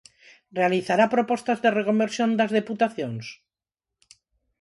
Realizará propostas de reconversión das Deputacións?